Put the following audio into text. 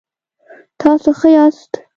تاسو ښه یاست؟